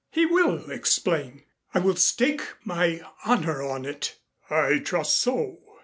"He will explain. I will stake my honor on it." "I trust so.